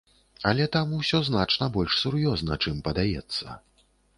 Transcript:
Але там усё значна больш сур'ёзна, чым падаецца.